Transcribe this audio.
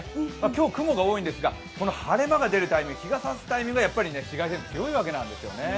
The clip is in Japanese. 今日、雲が多いんですが、晴れ間が出るタイミング、日が差すタイミングは紫外線強いわけなんですよね。